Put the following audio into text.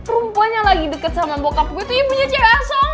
rumpanya lagi deket sama bokap gue tuh ibunya caya asangan